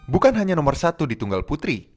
bukan hanya nomor satu di tunggal putri